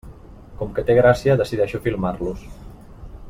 Com que té gràcia, decideixo filmar-los.